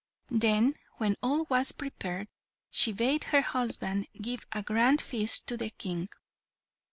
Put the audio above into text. Then, when all was prepared, she bade her husband give a grand feast to the King.